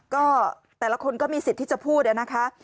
ก็แต่ละคนก็มีสิทธิ์ที่จะพูดนะคะ